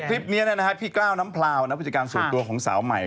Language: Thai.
คลิปนี้พี่กล้าวน้ำพลาวนะผู้จัดการส่วนตัวของสาวใหม่